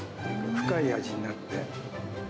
深い味になって。